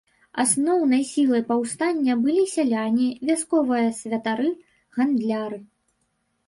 Асноўнай сілай паўстання былі сяляне, вясковыя святары, гандляры.